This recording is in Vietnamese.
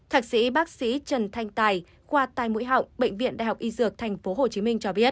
thạc sĩ bác sĩ trần thanh tài khoa tai mũi họng bệnh viện đại học y dược tp hcm cho biết